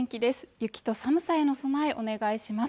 雪と寒さへの備えお願いします